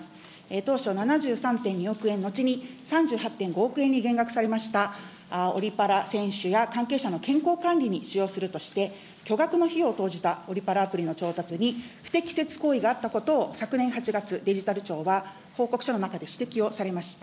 当初、７３．２億円、後に３８．５億円に減額されました、オリパラ選手や関係者の健康管理に使用するとして、巨額の費用を投じたオリパラアプリの調達に、不適切行為があったことを、昨年８月、デジタル庁が報告書の中で指摘をされました。